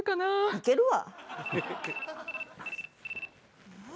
行けるわ！